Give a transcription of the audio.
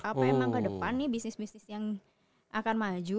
apa emang ke depan nih bisnis bisnis yang akan maju